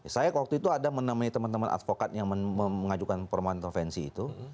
saya waktu itu ada menemui teman teman advokat yang mengajukan permohonan intervensi itu